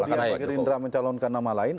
kalau kemudian pak gerindra mencalonkan nama lain